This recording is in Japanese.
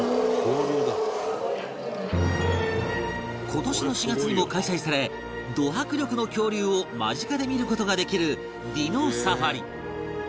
今年の４月にも開催されド迫力の恐竜を間近で見る事ができるディノサファリ